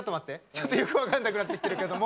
ちょっとよく分かんなくなってきてるけども。